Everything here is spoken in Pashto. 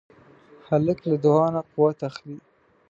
هلک له دعا نه قوت اخلي.